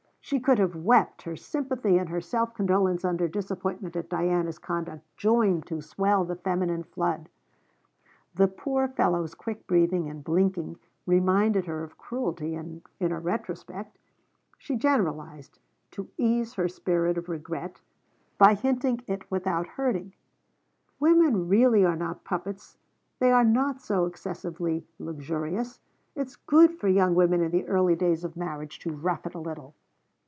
She could have wept; her sympathy and her self condolence under disappointment at Diana's conduct joined to swell the feminine flood. The poor fellow's quick breathing and blinking reminded her of cruelty in a retrospect. She generalized, to ease her spirit of regret, by hinting it without hurting: 'Women really are not puppets. They are not so excessively luxurious. It is good for young women in the early days of marriage to rough it a little.'